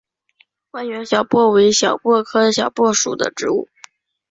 万源小檗为小檗科小檗属的植物。